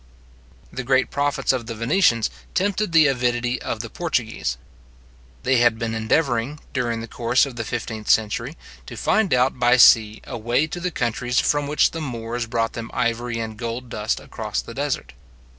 The great profits of the Venetians tempted the avidity of the Portuguese. They had been endeavouring, during the course of the fifteenth century, to find out by sea a way to the countries from which the Moors brought them ivory and gold dust across the desert.